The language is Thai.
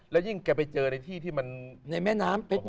และยิ่งแกไปเจอในที่ที่มัน